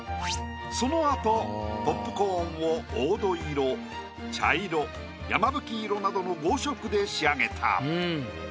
そのあとポップコーンを黄土色茶色やまぶき色などの５色で仕上げた。